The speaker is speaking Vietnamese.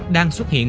đang xuất hiện